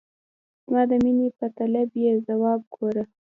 زما د میني په طلب یې ځواب ګوره !